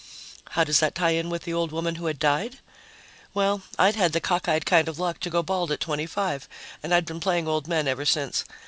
How does that tie in with the old woman who had died? Well, I'd had the cockeyed kind of luck to go bald at 25 and I'd been playing old men ever since.